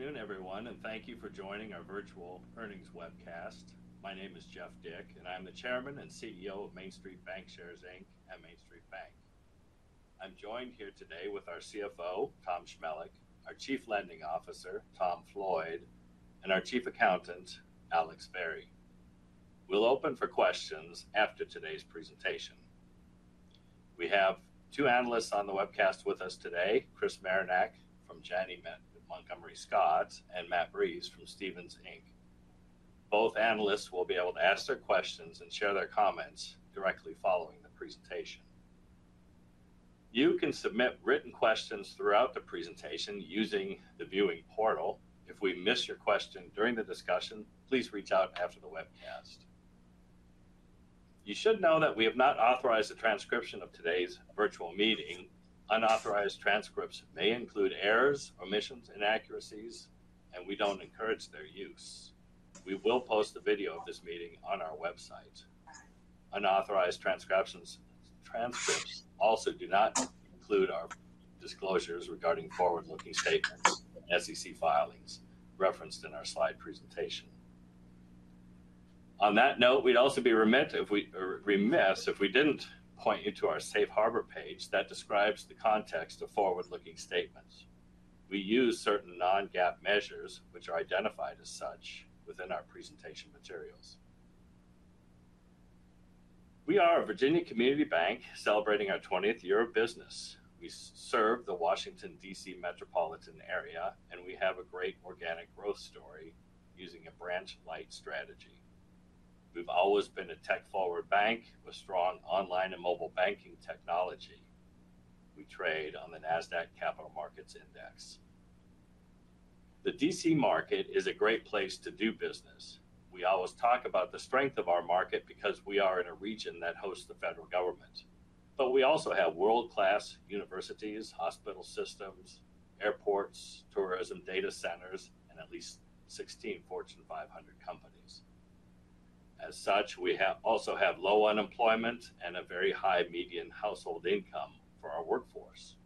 Good afternoon, everyone, and thank you for joining our virtual earnings webcast. My name is Jeff Dick, and I'm the Chairman and CEO of MainStreet Bancshares, Inc., at MainStreet Bank. I'm joined here today with our CFO, Tom Chmelik, our Chief Lending Officer, Tom Floyd, and our Chief Accountant, Alex Berry. We'll open for questions after today's presentation. We have two analysts on the webcast with us today, Chris Marinac from Janney Montgomery Scott, and Matt Breese from Stephens Inc. Both analysts will be able to ask their questions and share their comments directly following the presentation. You can submit written questions throughout the presentation using the viewing portal. If we miss your question during the discussion, please reach out after the webcast. You should know that we have not authorized the transcription of today's virtual meeting. Unauthorized transcripts may include errors, omissions, inaccuracies, and we don't encourage their use. We will post the video of this meeting on our website. Unauthorized transcriptions—transcripts also do not include our disclosures regarding forward-looking statements and SEC filings referenced in our slide presentation. On that note, we'd also be remiss if we didn't point you to our Safe Harbor page that describes the context of forward-looking statements. We use certain non-GAAP measures, which are identified as such within our presentation materials. We are a Virginia community bank celebrating our twentieth year of business. We serve the Washington, D.C., metropolitan area, and we have a great organic growth story using a branch-light strategy. We've always been a tech-forward bank with strong online and mobile banking technology. We trade on the Nasdaq Capital Markets Index. The D.C. market is a great place to do business. We always talk about the strength of our market because we are in a region that hosts the federal government, but we also have world-class universities, hospital systems, airports, tourism data centers, and at least 16 Fortune 500 companies. As such, we also have low unemployment and a very high median household income for our workforce.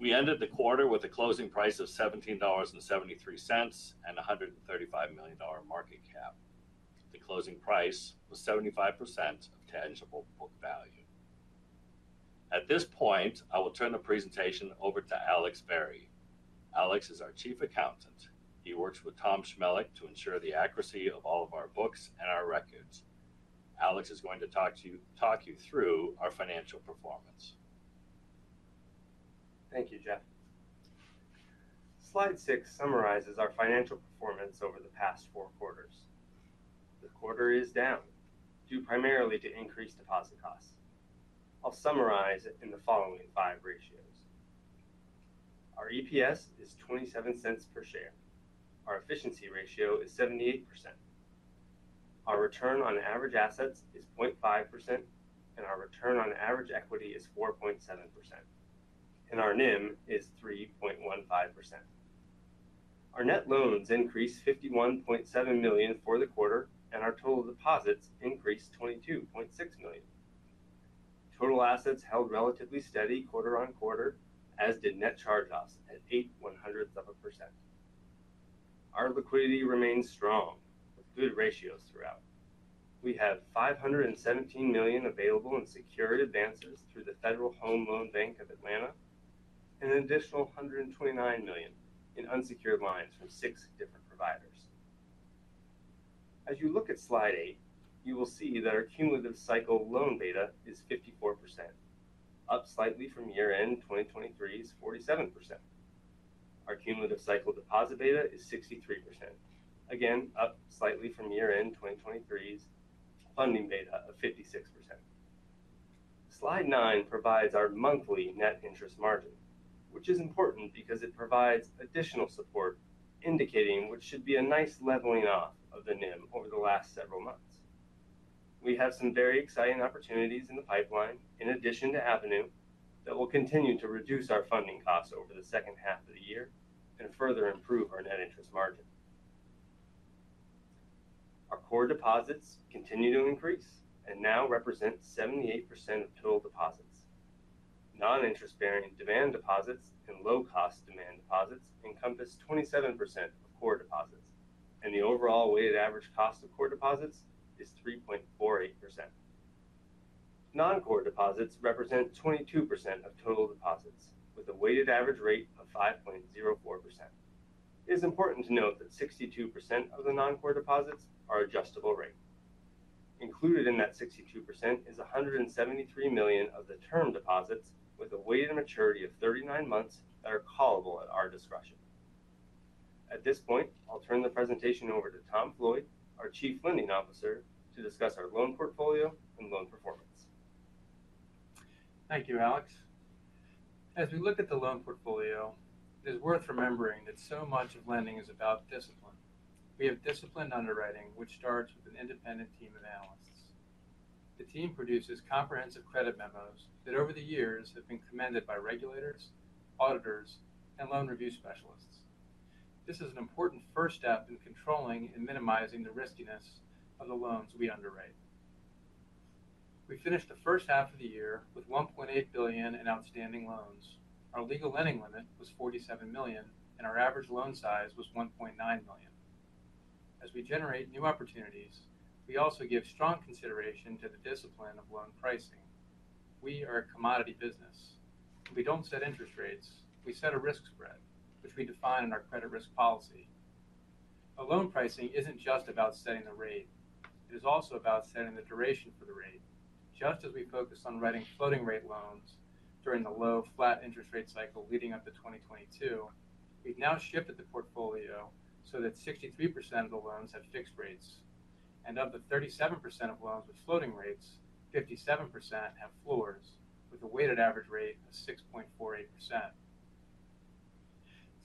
We ended the quarter with a closing price of $17.73 and a $135 million market cap. The closing price was 75% of tangible book value. At this point, I will turn the presentation over to Alex Berry. Alex is our chief accountant. He works with Tom Chmelik to ensure the accuracy of all of our books and our records. Alex is going to talk you through our financial performance. Thank you, Jeff. Slide 6 summarizes our financial performance over the past four quarters. The quarter is down, due primarily to increased deposit costs. I'll summarize it in the following five ratios. Our EPS is $0.27 per share. Our efficiency ratio is 78%. Our return on average assets is 0.5%, and our return on average equity is 4.7%, and our NIM is 3.15%. Our net loans increased $51.7 million for the quarter, and our total deposits increased $22.6 million. Total assets held relatively steady quarter-over-quarter, as did net charge-offs at 0.08%. Our liquidity remains strong, with good ratios throughout. We have $517 million available in secured advances through the Federal Home Loan Bank of Atlanta and an additional $129 million in unsecured lines from 6 different providers. As you look at slide 8, you will see that our cumulative cycle loan beta is 54%, up slightly from year-end 2023's 47%. Our cumulative cycle deposit beta is 63%, again, up slightly from year-end 2023's funding beta of 56%. Slide 9 provides our monthly net interest margin, which is important because it provides additional support, indicating what should be a nice leveling off of the NIM over the last several months. We have some very exciting opportunities in the pipeline, in addition to Avenue, that will continue to reduce our funding costs over the second half of the year and further improve our net interest margin. Our core deposits continue to increase and now represent 78% of total deposits. Non-interest-bearing demand deposits and low-cost demand deposits encompass 27% of core deposits, and the overall weighted average cost of core deposits is 3.48%. Non-core deposits represent 22% of total deposits, with a weighted average rate of 5.04%. It is important to note that 62% of the non-core deposits are adjustable rate. Included in that 62% is $173 million of the term deposits, with a weighted maturity of 39 months that are callable at our discretion. At this point, I'll turn the presentation over to Tom Floyd, our Chief Lending Officer, to discuss our loan portfolio and loan performance. Thank you, Alex. As we look at the loan portfolio, it is worth remembering that so much of lending is about discipline. We have disciplined underwriting, which starts with an independent team of analysts. The team produces comprehensive credit memos that, over the years, have been commended by regulators, auditors, and loan review specialists. This is an important first step in controlling and minimizing the riskiness of the loans we underwrite. ... We finished the first half of the year with $1.8 billion in outstanding loans. Our legal lending limit was $47 million, and our average loan size was $1.9 million. As we generate new opportunities, we also give strong consideration to the discipline of loan pricing. We are a commodity business. We don't set interest rates. We set a risk spread, which we define in our credit risk policy. A loan pricing isn't just about setting the rate, it is also about setting the duration for the rate. Just as we focus on writing floating rate loans during the low flat interest rate cycle leading up to 2022, we've now shifted the portfolio so that 63% of the loans have fixed rates, and of the 37% of loans with floating rates, 57% have floors, with a weighted average rate of 6.48%.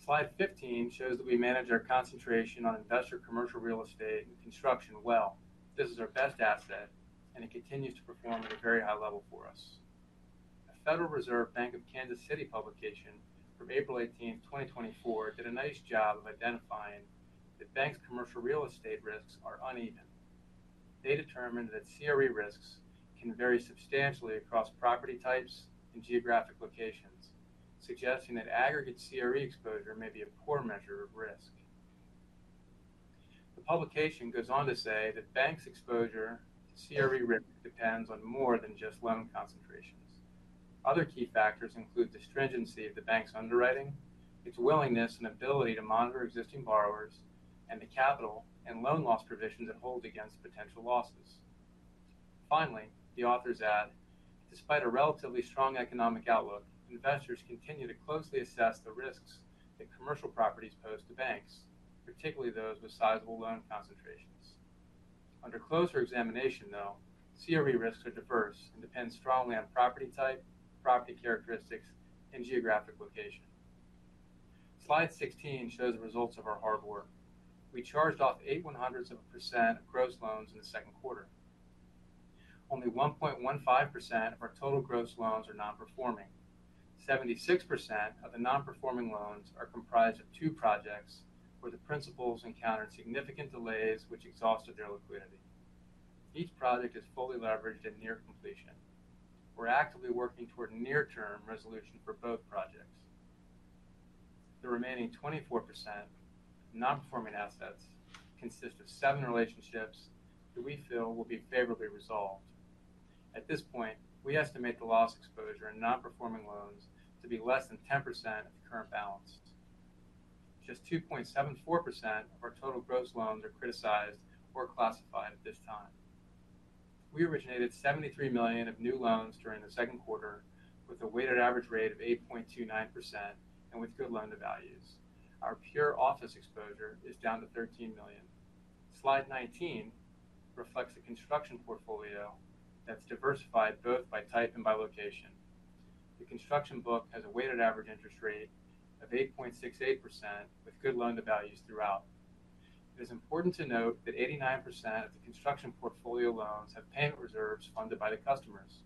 Slide 15 shows that we manage our concentration on investor commercial real estate and construction well. This is our best asset, and it continues to perform at a very high level for us. A Federal Reserve Bank of Kansas City publication from April 18, 2024, did a nice job of identifying that banks' commercial real estate risks are uneven. They determined that CRE risks can vary substantially across property types and geographic locations, suggesting that aggregate CRE exposure may be a poor measure of risk. The publication goes on to say that banks' exposure to CRE risk depends on more than just loan concentrations. Other key factors include the stringency of the banks' underwriting, its willingness and ability to monitor existing borrowers, and the capital and loan loss provisions it holds against potential losses. Finally, the authors add, "Despite a relatively strong economic outlook, investors continue to closely assess the risks that commercial properties pose to banks, particularly those with sizable loan concentrations. Under closer examination, though, CRE risks are diverse and depend strongly on property type, property characteristics, and geographic location." Slide 16 shows the results of our hard work. We charged off 0.08% of gross loans in the second quarter. Only 1.15% of our total gross loans are non-performing. 76% of the non-performing loans are comprised of two projects where the principals encountered significant delays which exhausted their liquidity. Each project is fully leveraged at near completion. We're actively working toward near-term resolution for both projects. The remaining 24% non-performing assets consist of seven relationships that we feel will be favorably resolved. At this point, we estimate the loss exposure in non-performing loans to be less than 10% of the current balance. Just 2.74% of our total gross loans are criticized or classified at this time. We originated $73 million of new loans during the second quarter, with a weighted average rate of 8.29% and with good loan-to-values. Our pure office exposure is down to $13 million. Slide 19 reflects a construction portfolio that's diversified both by type and by location. The construction book has a weighted average interest rate of 8.68%, with good loan-to-values throughout. It is important to note that 89% of the construction portfolio loans have payment reserves funded by the customers.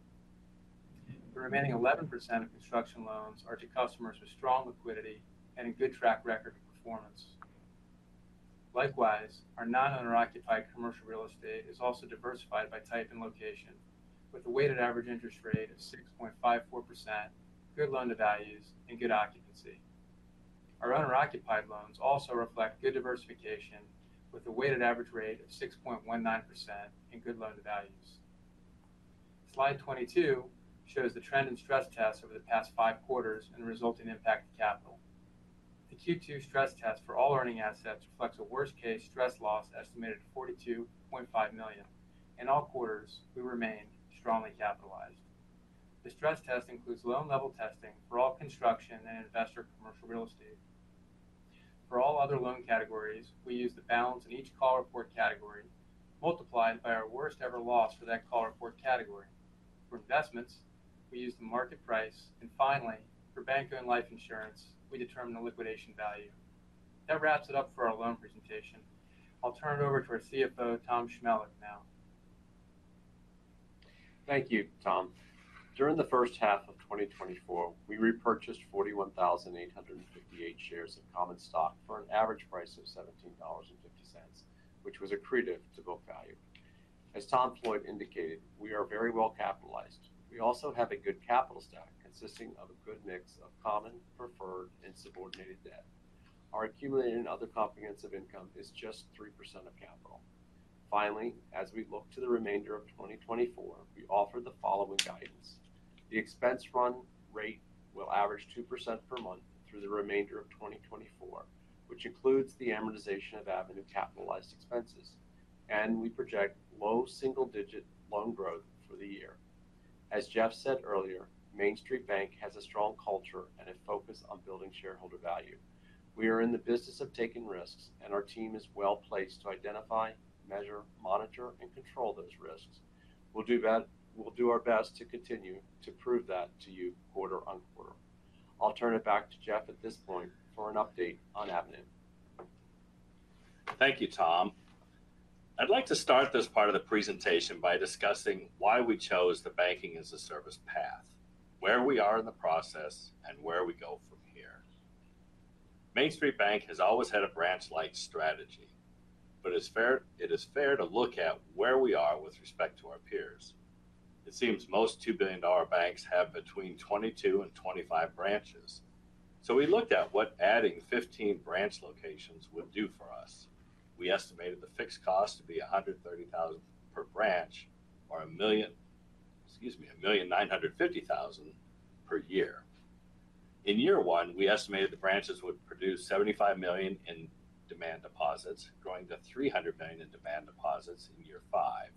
The remaining 11% of construction loans are to customers with strong liquidity and a good track record of performance. Likewise, our non-owner-occupied commercial real estate is also diversified by type and location, with a weighted average interest rate of 6.54%, good loan-to-values, and good occupancy. Our owner-occupied loans also reflect good diversification, with a weighted average rate of 6.19% and good loan-to-values. Slide 22 shows the trend in stress tests over the past five quarters and the resulting impact to capital. The Q2 stress test for all earning assets reflects a worst-case stress loss estimated at $42.5 million. In all quarters, we remain strongly capitalized. The stress test includes loan-level testing for all construction and investor commercial real estate. For all other loan categories, we use the balance in each Call Report category, multiplied by our worst-ever loss for that Call Report category. For investments, we use the market price, and finally, for bank-owned life insurance, we determine the liquidation value. That wraps it up for our loan presentation. I'll turn it over to our CFO, Tom Chmelik, now. Thank you, Tom. During the first half of 2024, we repurchased 41,858 shares of common stock for an average price of $17.50, which was accretive to book value. As Tom Floyd indicated, we are very well capitalized. We also have a good capital stack consisting of a good mix of common, preferred, and subordinated debt. Our Accumulated Other Comprehensive Income is just 3% of capital. Finally, as we look to the remainder of 2024, we offer the following guidance. The expense run rate will average 2% per month through the remainder of 2024, which includes the amortization of Avenue capitalized expenses, and we project low single-digit loan growth for the year. As Jeff said earlier, MainStreet Bank has a strong culture and a focus on building shareholder value. We are in the business of taking risks, and our team is well-placed to identify, measure, monitor, and control those risks. We'll do our best to continue to prove that to you quarter-on-quarter. I'll turn it back to Jeff at this point for an update on Avenue. Thank you, Tom. I'd like to start this part of the presentation by discussing why we chose the banking as a service path, where we are in the process, and where we go from here. ...MainStreet Bank has always had a branch-light strategy, but it's fair, it is fair to look at where we are with respect to our peers. It seems most $2 billion banks have between 22 and 25 branches. So we looked at what adding 15 branch locations would do for us. We estimated the fixed cost to be $130,000 per branch, or a million, excuse me, $1,950,000 per year. In year one, we estimated the branches would produce $75 million in demand deposits, growing to $300 million in demand deposits in year five.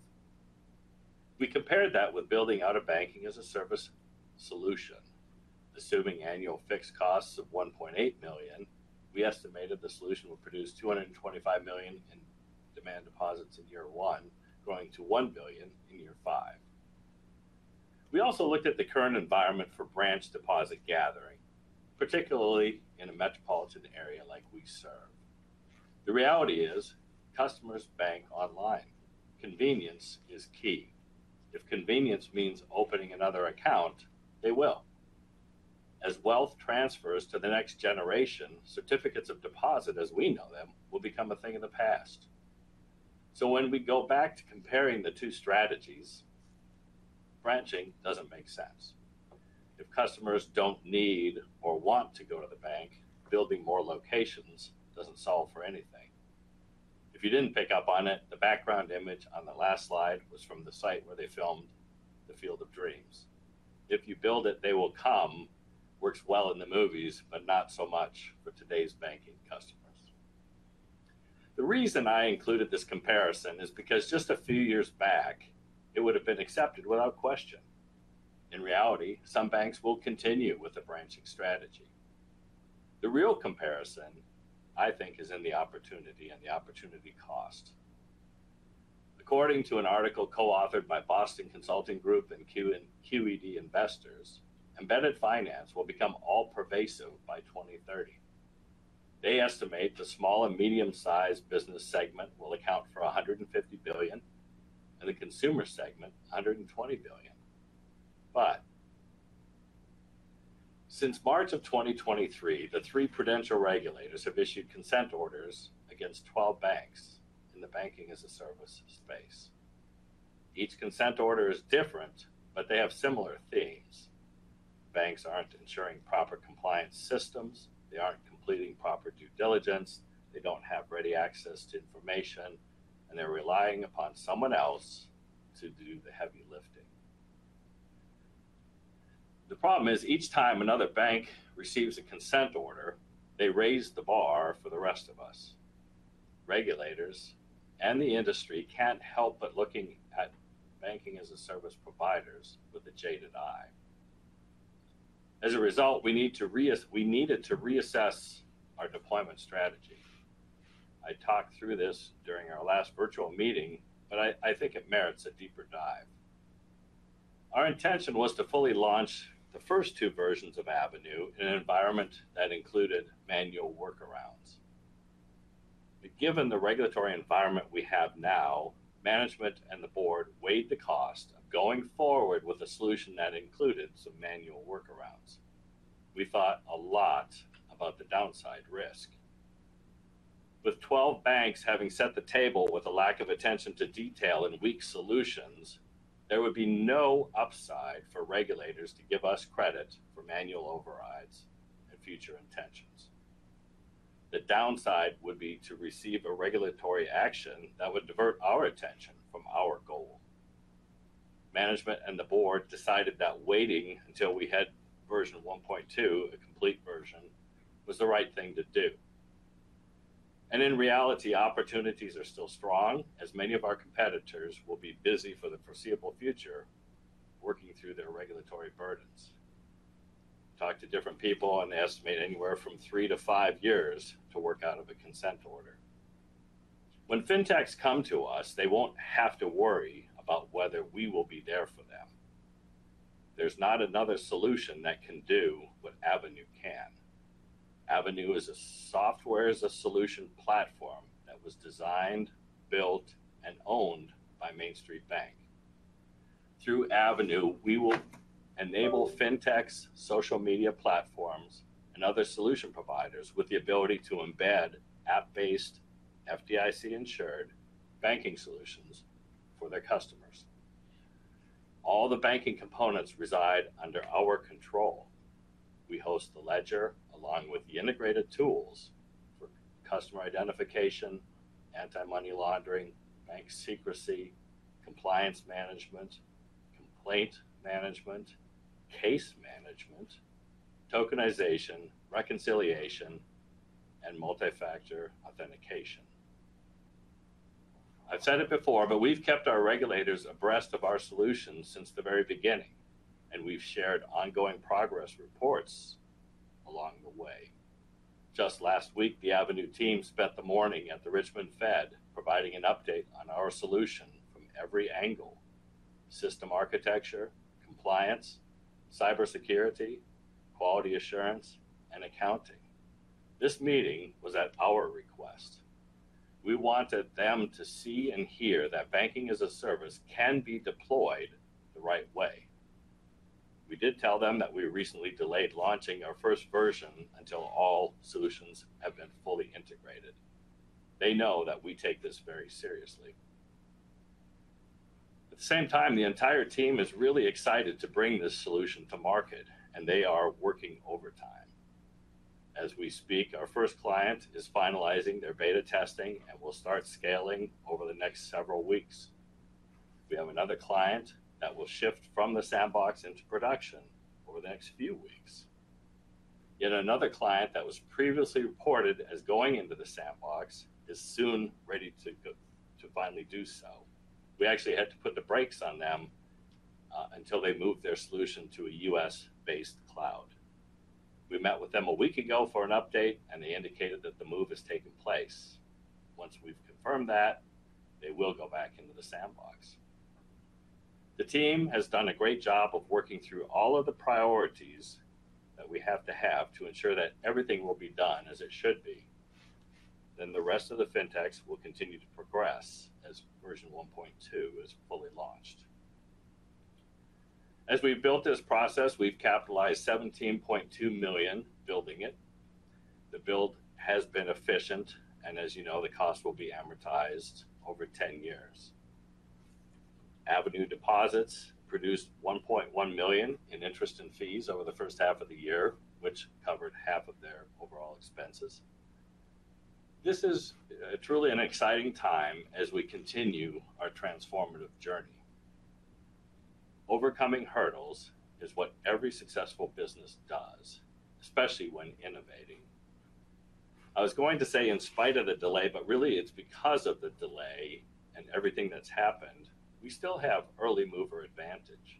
We compared that with building out a banking-as-a-service solution. Assuming annual fixed costs of $1.8 million, we estimated the solution would produce $225 million in demand deposits in year one, growing to $1 billion in year five. We also looked at the current environment for branch deposit gathering, particularly in a metropolitan area like we serve. The reality is, customers bank online. Convenience is key. If convenience means opening another account, they will. As wealth transfers to the next generation, certificates of deposit, as we know them, will become a thing of the past. So when we go back to comparing the two strategies, branching doesn't make sense. If customers don't need or want to go to the bank, building more locations doesn't solve for anything. If you didn't pick up on it, the background image on the last slide was from the site where they filmed the Field of Dreams. "If you build it, they will come," works well in the movies, but not so much for today's banking customers. The reason I included this comparison is because just a few years back, it would have been accepted without question. In reality, some banks will continue with a branching strategy. The real comparison, I think, is in the opportunity and the opportunity cost. According to an article co-authored by Boston Consulting Group and QED Investors, embedded finance will become all-pervasive by 2030. They estimate the small and medium-sized business segment will account for $150 billion, and the consumer segment, $120 billion. But, since March of 2023, the three prudential regulators have issued consent orders against 12 banks in the banking-as-a-service space. Each consent order is different, but they have similar themes. Banks aren't ensuring proper compliance systems, they aren't completing proper due diligence, they don't have ready access to information, and they're relying upon someone else to do the heavy lifting. The problem is each time another bank receives a consent order, they raise the bar for the rest of us. Regulators and the industry can't help but looking at banking as a service providers with a jaded eye. As a result, we needed to reassess our deployment strategy. I talked through this during our last virtual meeting, but I think it merits a deeper dive. Our intention was to fully launch the first two versions of Avenue in an environment that included manual workarounds. But given the regulatory environment we have now, management and the board weighed the cost of going forward with a solution that included some manual workarounds. We thought a lot about the downside risk. With 12 banks having set the table with a lack of attention to detail and weak solutions, there would be no upside for regulators to give us credit for manual overrides and future intentions. The downside would be to receive a regulatory action that would divert our attention from our goal. Management and the board decided that waiting until we had version 1.2, a complete version, was the right thing to do. And in reality, opportunities are still strong, as many of our competitors will be busy for the foreseeable future, working through their regulatory burdens. Talked to different people, and they estimate anywhere from 3-5 years to work out of a consent order. When Fintechs come to us, they won't have to worry about whether we will be there for them. There's not another solution that can do what Avenue can. Avenue is a software-as-a-solution platform that was designed, built, and owned by MainStreet Bank. Through Avenue, we will enable Fintechs, social media platforms, and other solution providers with the ability to embed app-based FDIC-insured banking solutions for their customers. All the banking components reside under our control. We host the ledger, along with the integrated tools for customer identification, anti-money laundering, bank secrecy, compliance management, complaint management, case management, tokenization, reconciliation, and multi-factor authentication. I've said it before, but we've kept our regulators abreast of our solutions since the very beginning, and we've shared ongoing progress reports along the way. Just last week, the Avenue team spent the morning at the Richmond Fed, providing an update on our solution from every angle: system architecture, compliance, cybersecurity, quality assurance, and accounting. This meeting was at our request. We wanted them to see and hear that banking as a service can be deployed the right way. We did tell them that we recently delayed launching our first version until all solutions have been fully integrated. They know that we take this very seriously. At the same time, the entire team is really excited to bring this solution to market, and they are working overtime. As we speak, our first client is finalizing their beta testing and will start scaling over the next several weeks. We have another client that will shift from the sandbox into production over the next few weeks. Yet another client that was previously reported as going into the sandbox is soon ready to go to finally do so. We actually had to put the brakes on them until they moved their solution to a U.S.-based cloud. We met with them a week ago for an update, and they indicated that the move has taken place. Once we've confirmed that, they will go back into the sandbox. The team has done a great job of working through all of the priorities that we have to have to ensure that everything will be done as it should be. Then the rest of the Fintechs will continue to progress as version 1.2 is fully launched. As we've built this process, we've capitalized $17.2 million building it. The build has been efficient, and as you know, the cost will be amortized over 10 years. Avenue deposits produced $1.1 million in interest and fees over the first half of the year, which covered half of their overall expenses. This is truly an exciting time as we continue our transformative journey. Overcoming hurdles is what every successful business does, especially when innovating. I was going to say, in spite of the delay, but really it's because of the delay and everything that's happened, we still have early mover advantage.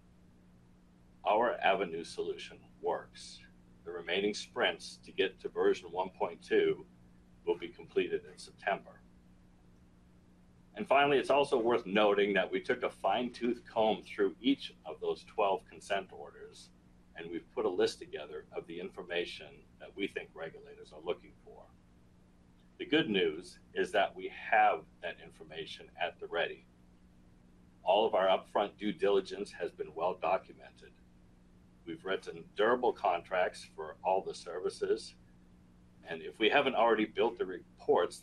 Our Avenue solution works. The remaining sprints to get to version 1.2 will be completed in September. And finally, it's also worth noting that we took a fine-tooth comb through each of those 12 consent orders, and we've put a list together of the information that we think regulators are looking for. The good news is that we have that information at the ready. All of our upfront due diligence has been well documented. We've written durable contracts for all the services, and if we haven't already built the reports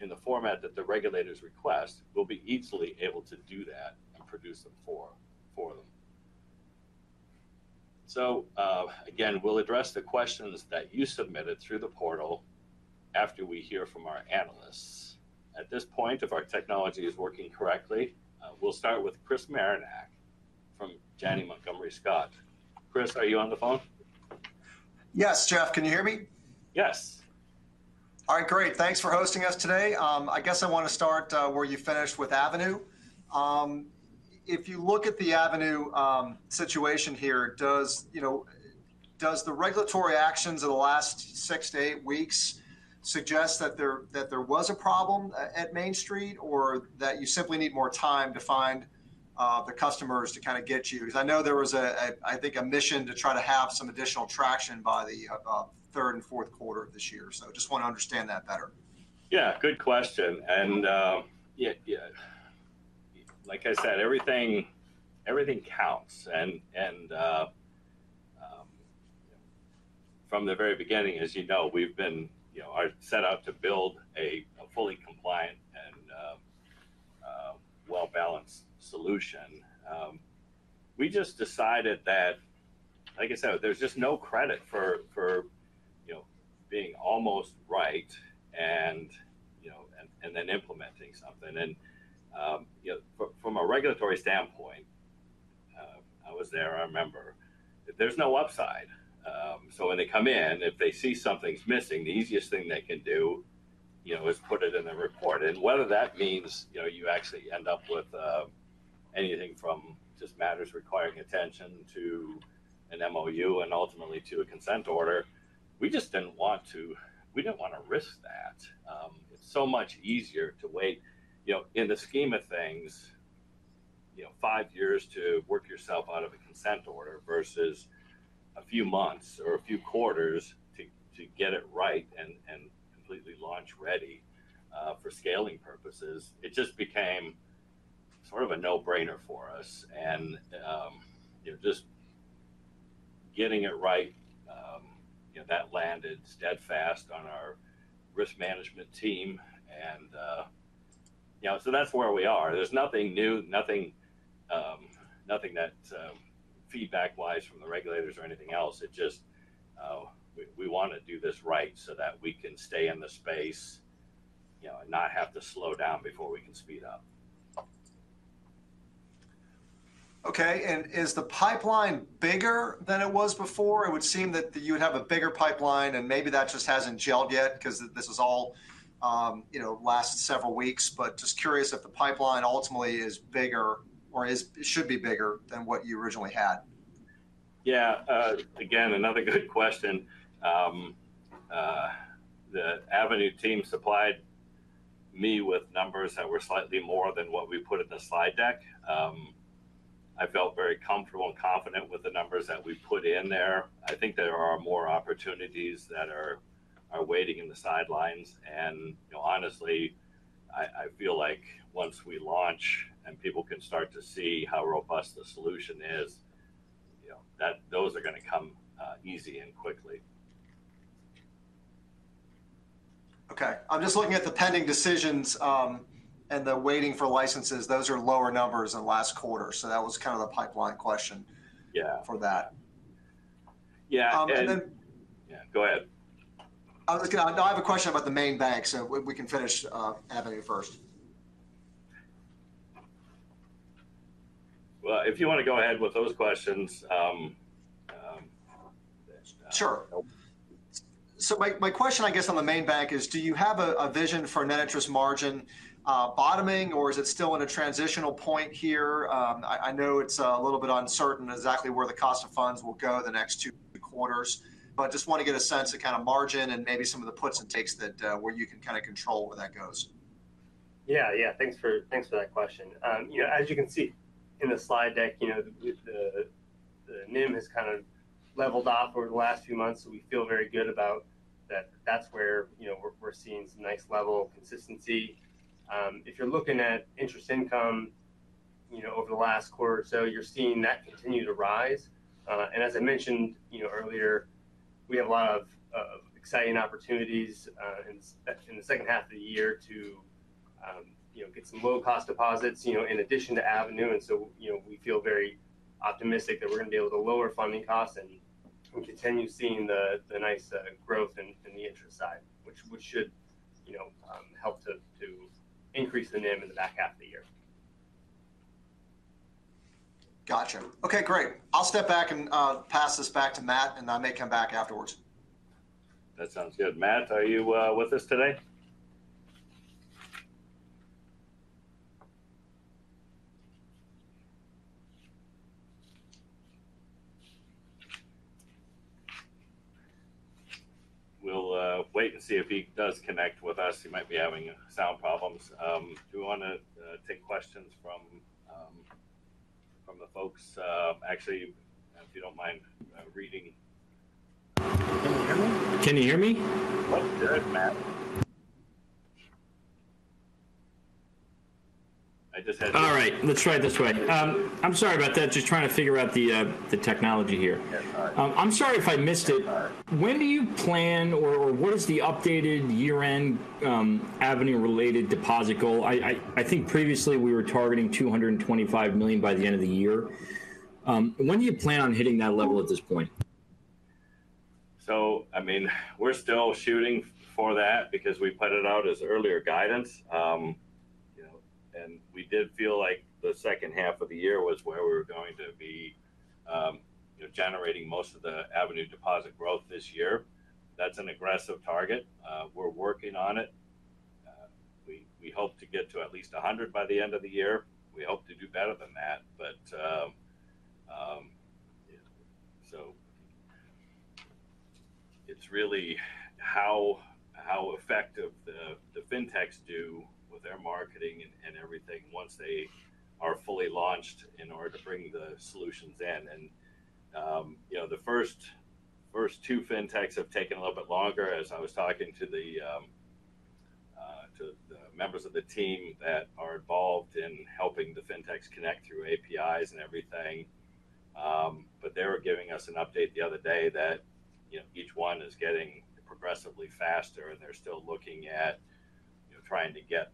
in the format that the regulators request, we'll be easily able to do that and produce them for them. So, again, we'll address the questions that you submitted through the portal after we hear from our analysts. At this point, if our technology is working correctly, we'll start with Chris Marinac from Janney Montgomery Scott. Chris, are you on the phone? Yes, Jeff, can you hear me? Yes. All right, great. Thanks for hosting us today. I guess I wanna start where you finished with Avenue. If you look at the Avenue situation here, does, you know, does the regulatory actions of the last six to eight weeks suggest that there, that there was a problem at, at Main Street, or that you simply need more time to find the customers to kinda get you? Because I know there was, I think, a mission to try to have some additional traction by the third and fourth quarter of this year. So just want to understand that better. Yeah, good question. And, yeah, yeah, like I said, everything, everything counts. And, from the very beginning, as you know, we've been, you know, are set out to build a fully compliant and, well-balanced solution. We just decided that, like I said, there's just no credit for, you know, being almost right and, you know, and then implementing something. And, you know, from a regulatory standpoint, I was there, I remember. There's no upside. So when they come in, if they see something's missing, the easiest thing they can do, you know, is put it in the report. And whether that means, you know, you actually end up with anything from just matters requiring attention to an MOU and ultimately to a consent order, we just didn't want to, we didn't wanna risk that. It's so much easier to wait, you know, in the scheme of things, you know, 5 years to work yourself out of a consent order versus a few months or a few quarters to get it right and completely launch ready for scaling purposes. It just became sort of a no-brainer for us. And, you know, just getting it right, you know, that landed steadfast on our risk management team. And, you know, so that's where we are. There's nothing new, nothing, nothing that feedback-wise from the regulators or anything else, it just, we wanna do this right so that we can stay in the space, you know, and not have to slow down before we can speed up. Okay, and is the pipeline bigger than it was before? It would seem that you would have a bigger pipeline, and maybe that just hasn't gelled yet because this is all, you know, last several weeks. But just curious if the pipeline ultimately is bigger or is it should be bigger than what you originally had. Yeah. Again, another good question. The Avenue team supplied me with numbers that were slightly more than what we put in the slide deck. I felt very comfortable and confident with the numbers that we put in there. I think there are more opportunities that are waiting in the sidelines. And, you know, honestly... I feel like once we launch and people can start to see how robust the solution is, you know, those are going to come easy and quickly. Okay. I'm just looking at the pending decisions, and the waiting for licenses. Those are lower numbers than last quarter, so that was kind of the pipeline question- Yeah -for that. Yeah, and- And then- Yeah, go ahead. No, I have a question about the main bank, so we can finish Avenue first. Well, if you want to go ahead with those questions, then- Sure. Oh. So my question, I guess, on the main bank is: do you have a vision for net interest margin bottoming, or is it still at a transitional point here? I know it's a little bit uncertain exactly where the cost of funds will go the next two quarters, but just want to get a sense of kind of margin and maybe some of the puts and takes that where you can kind of control where that goes. Yeah. Yeah, thanks for that question. You know, as you can see in the slide deck, you know, the NIM has kind of leveled off over the last few months, so we feel very good about that. That's where, you know, we're seeing some nice level of consistency. If you're looking at interest income, you know, over the last quarter, so you're seeing that continue to rise. And as I mentioned, you know, earlier, we have a lot of exciting opportunities in the second half of the year to you know, get some low-cost deposits, you know, in addition to Avenue. And so, you know, we feel very optimistic that we're going to be able to lower funding costs, and we continue seeing the nice growth in the interest side, which should, you know, help to increase the NIM in the back half of the year. Gotcha. Okay, great! I'll step back and pass this back to Matt, and I may come back afterwards. That sounds good. Matt, are you with us today? We'll wait and see if he does connect with us. He might be having sound problems. Do you want to take questions from the folks? Actually, if you don't mind me reading. Can you hear me? Can you hear me? Good. Matt. I just had- All right, let's try it this way. I'm sorry about that, just trying to figure out the technology here. Yeah, all right. I'm sorry if I missed it. That's all right. When do you plan, or, what is the updated year-end Avenue-related deposit goal? I think previously we were targeting $225 million by the end of the year. When do you plan on hitting that level at this point? So, I mean, we're still shooting for that because we put it out as earlier guidance. You know, and we did feel like the second half of the year was where we were going to be, you know, generating most of the Avenue deposit growth this year. That's an aggressive target. We're working on it. We hope to get to at least 100 by the end of the year. We hope to do better than that, but, yeah. So it's really how effective the Fintechs do with their marketing and everything once they are fully launched in order to bring the solutions in. You know, the first two Fintechs have taken a little bit longer, as I was talking to the members of the team that are involved in helping the Fintechs connect through APIs and everything. But they were giving us an update the other day that, you know, each one is getting progressively faster, and they're still looking at, you know, trying to get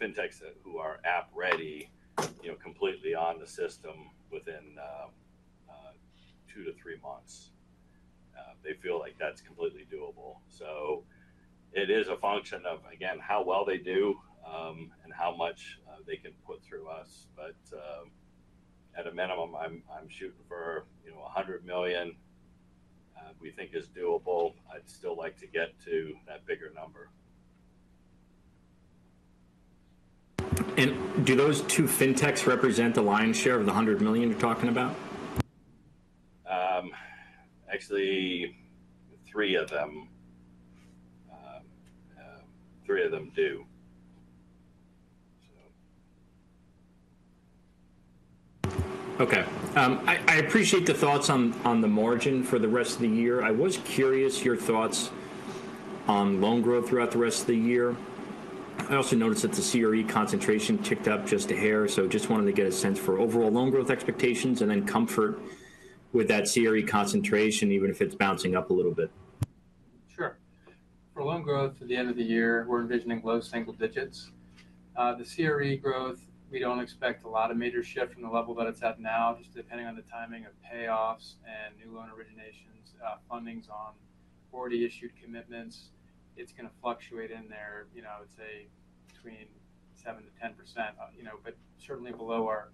Fintechs that who are app ready, you know, completely on the system within two to three months. They feel like that's completely doable. So it is a function of, again, how well they do and how much they can put through us. But at a minimum, I'm shooting for, you know, $100 million we think is doable. I'd still like to get to that bigger number. Do those two fintechs represent the lion's share of the $100 million you're talking about? Actually, three of them. Three of them do. So... Okay. I appreciate the thoughts on the margin for the rest of the year. I was curious your thoughts on loan growth throughout the rest of the year. I also noticed that the CRE concentration ticked up just a hair, so just wanted to get a sense for overall loan growth expectations and then comfort with that CRE concentration, even if it's bouncing up a little bit. Sure. For loan growth at the end of the year, we're envisioning low single digits. The CRE growth, we don't expect a lot of major shift from the level that it's at now, just depending on the timing of payoffs and new loan originations, fundings on already issued commitments. It's going to fluctuate in there, you know, I'd say between 7%-10%, you know, but certainly below our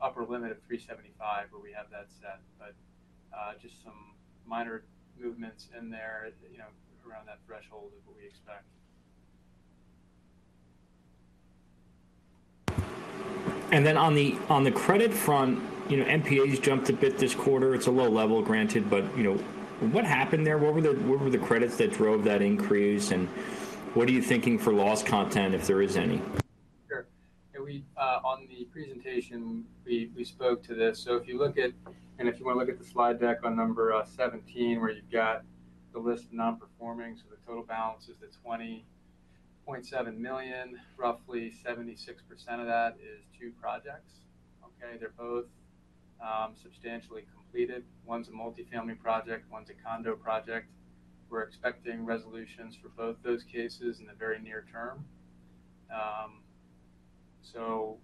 upper limit of 3.75, where we have that set. But just some minor movements in there, you know, around that threshold is what we expect. And then on the credit front, you know, NPAs jumped a bit this quarter. It's a low level, granted, but, you know, what happened there? What were the credits that drove that increase, and what are you thinking for loss content, if there is any?... Yeah, we on the presentation, we spoke to this. So if you look at and if you wanna look at the slide deck on number 17, where you've got the list of non-performing, so the total balance is $20.7 million. Roughly 76% of that is two projects, okay? They're both substantially completed. One's a multifamily project, one's a condo project. We're expecting resolutions for both those cases in the very near term. So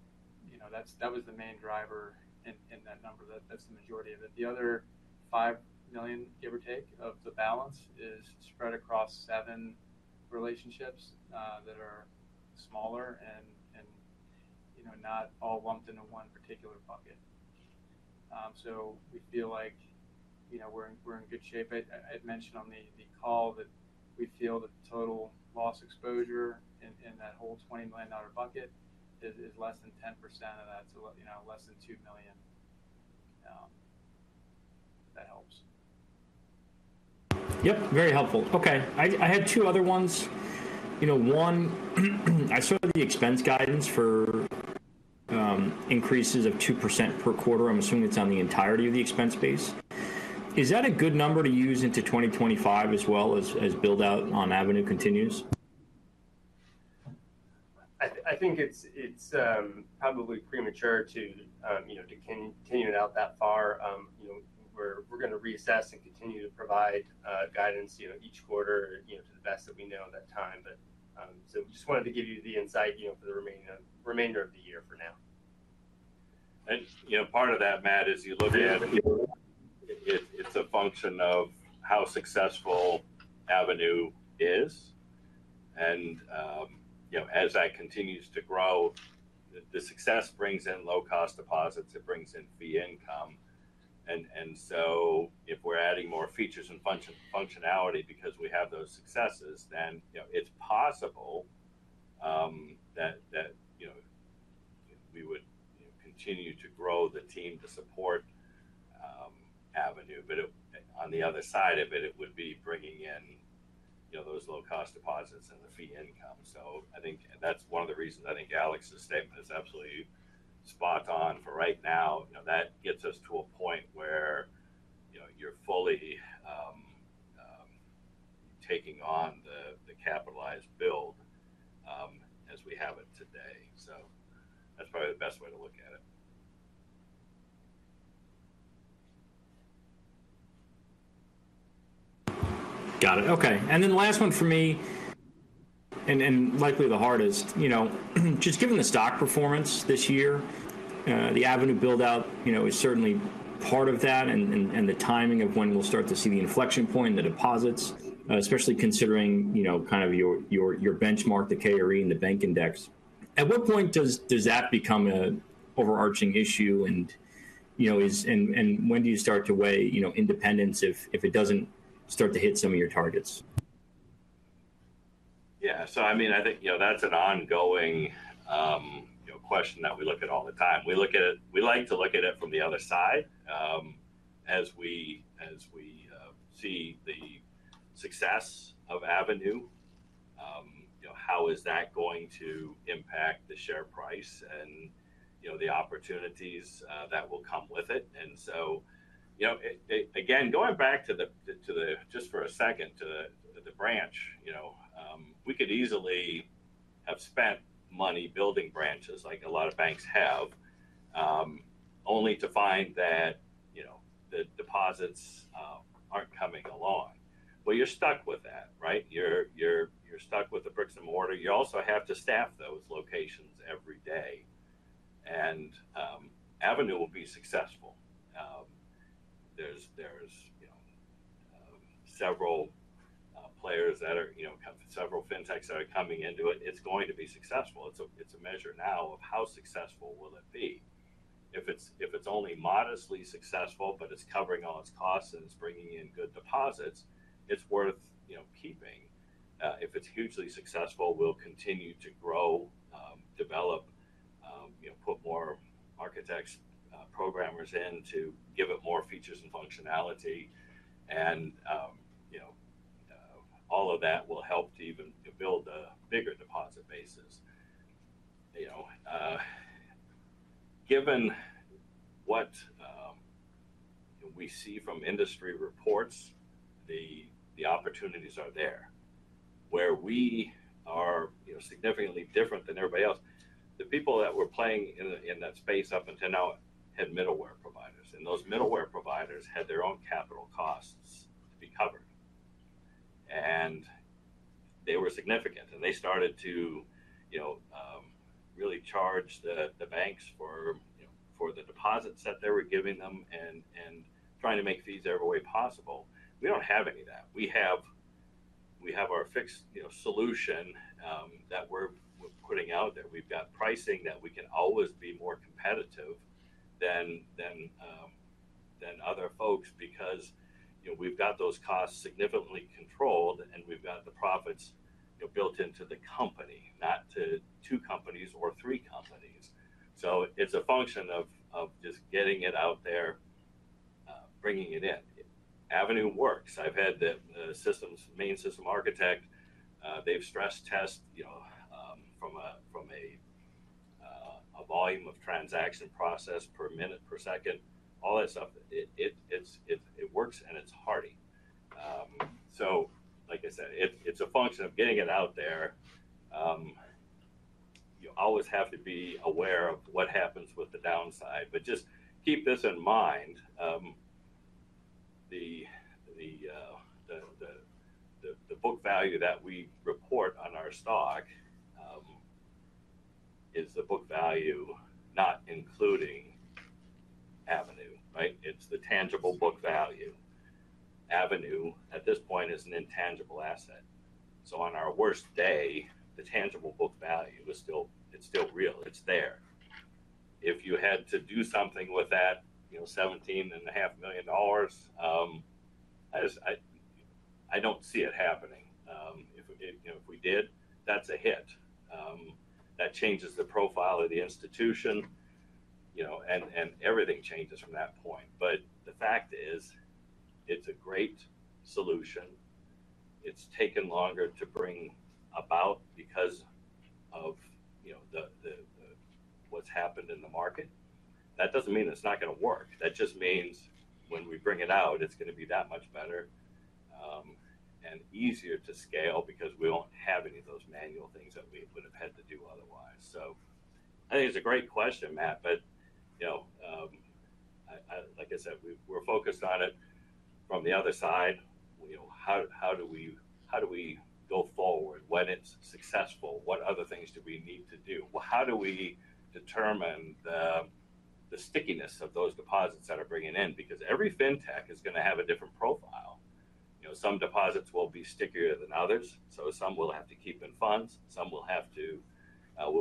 you know, that's- that was the main driver in that number. That's the majority of it. The other $5 million, give or take, of the balance is spread across seven relationships that are smaller and you know, not all lumped into one particular bucket. So we feel like, you know, we're in good shape. I'd mentioned on the call that we feel that the total loss exposure in that whole $20 million bucket is less than 10% of that, so, you know, less than $2 million. If that helps. Yep, very helpful. Okay. I had two other ones. You know, one, I saw the expense guidance for increases of 2% per quarter. I'm assuming it's on the entirety of the expense base. Is that a good number to use into 2025 as well as build-out on Avenue continues? I think it's probably premature to, you know, continue it out that far. You know, we're gonna reassess and continue to provide guidance, you know, each quarter, you know, to the best that we know at that time. But, so we just wanted to give you the insight, you know, for the remainder of the year for now. You know, part of that, Matt, as you look at it, it's a function of how successful Avenue is. You know, as that continues to grow, the success brings in low-cost deposits, it brings in fee income. And so if we're adding more features and functionality because we have those successes, then, you know, it's possible that we would continue to grow the team to support Avenue. But on the other side of it, it would be bringing in, you know, those low-cost deposits and the fee income. So I think that's one of the reasons I think Alex's statement is absolutely spot on for right now. You know, that gets us to a point where, you know, you're fully taking on the capitalized build as we have it today. That's probably the best way to look at it. Got it. Okay. And then the last one for me, and likely the hardest, you know, just given the stock performance this year, the Avenue build-out, you know, is certainly part of that, and the timing of when we'll start to see the inflection point, the deposits, especially considering, you know, kind of your benchmark, the KRE and the bank index. At what point does that become an overarching issue? And, you know, when do you start to weigh, you know, independence if it doesn't start to hit some of your targets? Yeah. So I mean, I think, you know, that's an ongoing, question that we look at all the time. We look at it- we like to look at it from the other side. As we, as we, see the success of Avenue, you know, how is that going to impact the share price and, you know, the opportunities, that will come with it? And so, you know, it, it-- again, going back to the, to the, just for a second, to the, the branch, you know, we could easily have spent money building branches like a lot of banks have, only to find that, you know, the deposits, aren't coming along. Well, you're stuck with that, right? You're, you're, you're stuck with the bricks and mortar. You also have to staff those locations every day, and Avenue will be successful. There's, you know, several players that are, you know, several fintechs that are coming into it. It's going to be successful. It's a measure now of how successful will it be. If it's only modestly successful, but it's covering all its costs and it's bringing in good deposits, it's worth, you know, keeping. If it's hugely successful, we'll continue to grow, develop, you know, put more architects, programmers in to give it more features and functionality. And, you know, all of that will help to even build a bigger deposit basis. You know, given what we see from industry reports, the opportunities are there. Where we are, you know, significantly different than everybody else, the people that were playing in that space up until now had middleware providers, and those middleware providers had their own capital costs to be covered. And they were significant, and they started to, you know, really charge the banks for, you know, for the deposits that they were giving them and trying to make fees every way possible. We don't have any of that. We have our fixed, you know, solution that we're putting out there. We've got pricing that we can always be more competitive than other folks because, you know, we've got those costs significantly controlled, and we've got the profits, you know, built into the company, not to two companies or three companies. So it's a function of just getting it out there... bringing it in. Avenue works. I've had the systems main system architect they've stress test you know from a volume of transaction process per minute per second all that stuff. It works and it's hardy. So like I said it's a function of getting it out there. You always have to be aware of what happens with the downside but just keep this in mind. The book value that we report on our stock is the book value not including Avenue right? It's the tangible book value. Avenue at this point is an intangible asset. So on our worst day the tangible book value is still it's still real it's there. If you had to do something with that, you know, $17.5 million, I just don't see it happening. If we did, that's a hit. That changes the profile of the institution, you know, and everything changes from that point. But the fact is, it's a great solution. It's taken longer to bring about because of, you know, what's happened in the market. That doesn't mean it's not gonna work. That just means when we bring it out, it's gonna be that much better and easier to scale because we don't have any of those manual things that we would have had to do otherwise. So I think it's a great question, Matt, but, you know, like I said, we're focused on it from the other side, you know, how do we go forward? When it's successful, what other things do we need to do? Well, how do we determine the stickiness of those deposits that are bringing in? Because every fintech is gonna have a different profile. You know, some deposits will be stickier than others, so some we'll have to keep in funds, some we'll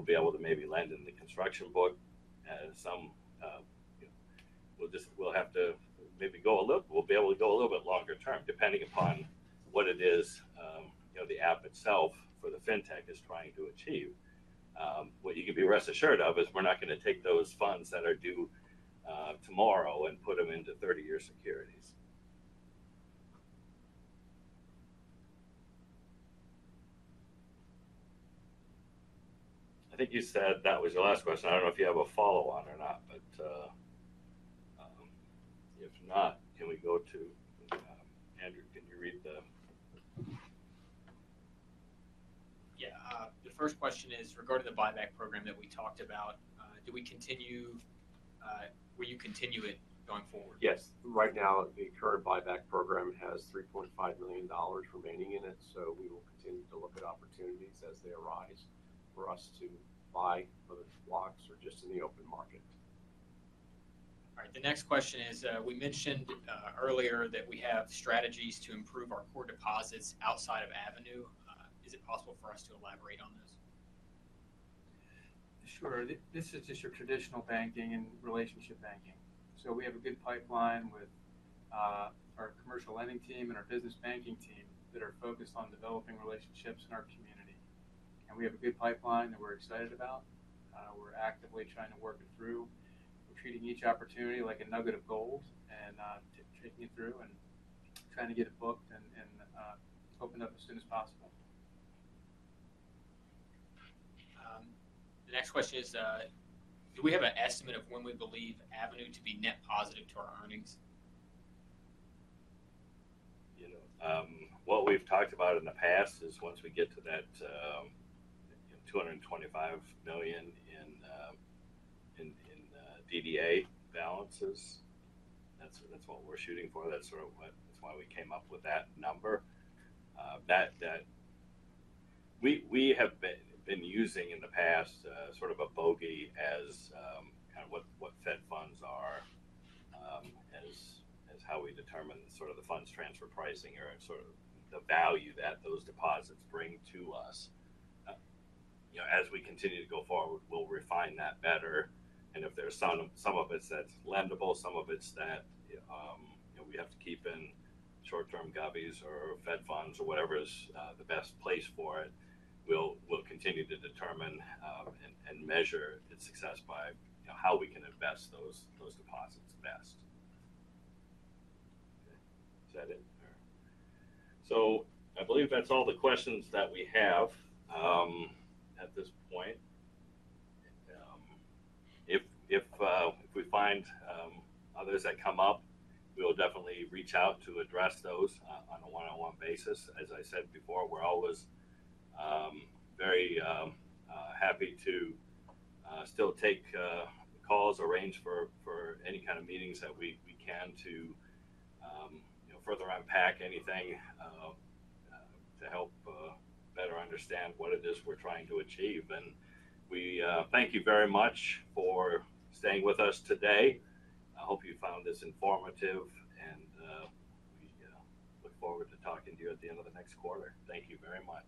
be able to maybe lend in the construction book, some we'll be able to go a little bit longer term, depending upon what it is, you know, the app itself for the fintech is trying to achieve. What you can be rest assured of is we're not gonna take those funds that are due tomorrow and put them into 30-year securities. I think you said that was your last question. I don't know if you have a follow on or not, but if not, can we go to... Andrew, can you read the- Yeah, the first question is regarding the buyback program that we talked about, do we continue, will you continue it going forward? Yes. Right now, the current buyback program has $3.5 million remaining in it, so we will continue to look at opportunities as they arise for us to buy further blocks or just in the open market. All right. The next question is, we mentioned earlier that we have strategies to improve our core deposits outside of Avenue. Is it possible for us to elaborate on this? Sure. This is just your traditional banking and relationship banking. So we have a good pipeline with our commercial lending team and our business banking team that are focused on developing relationships in our community. And we have a good pipeline that we're excited about. We're actively trying to work it through. We're treating each opportunity like a nugget of gold, and taking it through and trying to get it booked and opened up as soon as possible. The next question is, do we have an estimate of when we believe Avenue to be net positive to our earnings? You know, what we've talked about in the past is once we get to that $225 million in DDA balances, that's what we're shooting for. That's sort of what that's why we came up with that number. We have been using in the past sort of a bogey as kind of what fed funds are as how we determine sort of the funds transfer pricing or sort of the value that those deposits bring to us. You know, as we continue to go forward, we'll refine that better, and if there are some, some of it that's lendable, some of it's that, you know, we have to keep in short-term govies or fed funds or whatever is the best place for it, we'll, we'll continue to determine, and, and measure its success by, you know, how we can invest those, those deposits best. Is that it? All right. So I believe that's all the questions that we have at this point. If, if, if we find others that come up, we'll definitely reach out to address those on a one-on-one basis. As I said before, we're always very happy to still take calls, arrange for any kind of meetings that we can to, you know, further unpack anything to help better understand what it is we're trying to achieve. And we thank you very much for staying with us today. I hope you found this informative, and we, you know, look forward to talking to you at the end of the next quarter. Thank you very much.